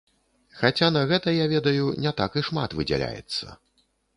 Хаця на гэта, я ведаю, не так і шмат выдзяляецца.